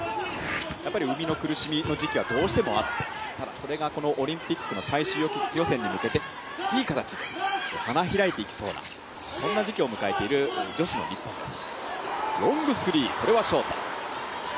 産みの苦しみの時期はどうしてもあってただ、それがオリンピックの最終予選に向けていい形で花開いていきそうな時期を迎えている女子の日本です。